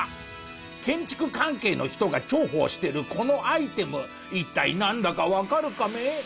建築関係の人が重宝してるこのアイテム一体なんだかわかるカメ？